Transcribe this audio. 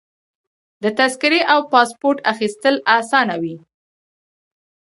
د تذکرې او پاسپورټ اخیستل اسانه وي.